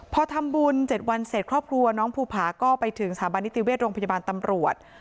พอทำบุญ๗วันเสร็จครอบครัวน้องภูผาก็ไปถึงสถาบันนิติเวชโรงพยาบาลตำรวจ